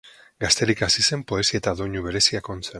Gazterik hasi zen poesia eta doinu bereziak ontzen.